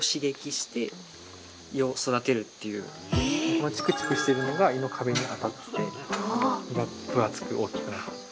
このチクチクしてるのが胃の壁に当たって胃が分厚く大きくなる。